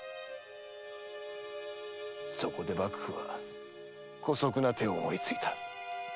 そこで幕府は姑息な手を思いついた。